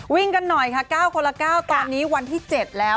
กันหน่อยค่ะ๙คนละ๙ตอนนี้วันที่๗แล้ว